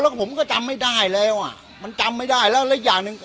แล้วผมก็จำไม่ได้แล้วอ่ะมันจำไม่ได้แล้วและอีกอย่างหนึ่ง